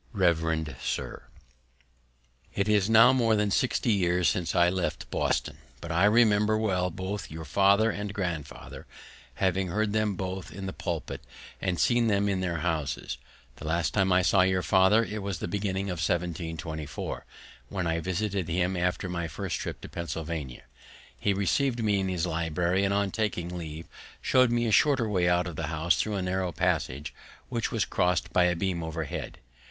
Revd Sir, It is now more than 60 years since I left Boston, but I remember well both your father and grandfather, having heard them both in the pulpit, and seen them in their houses. The last time I saw your father was in the beginning of 1724, when I visited him after my first trip to Pennsylvania. He received me in his library, and on my taking leave showed me a shorter way out of the house through a narrow passage, which was crossed by a beam overhead.